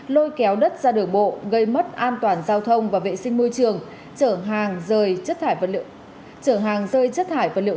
lôi kéo đất ra đường bộ gây mất an toàn giao thông và vệ sinh môi trường trở hàng rơi chất thải vật liệu